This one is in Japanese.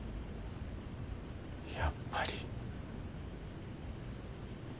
やっぱり。